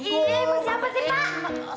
siapa sih pak